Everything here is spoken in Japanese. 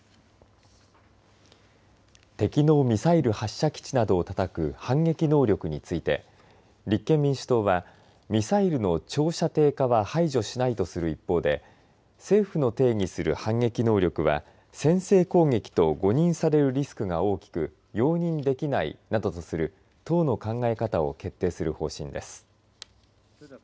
敵のミサイル発射基地などをたたく反撃能力について立憲民主党は、ミサイルの長射程化は排除しないとする一方で政府の定義する反撃能力は先制攻撃と誤認されるリスクが大きく容認できないなどとする党の考え方を決定する方針です。